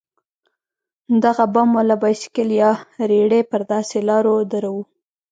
دغه بم والا بايسېکل يا رېړۍ پر داسې لارو دروو.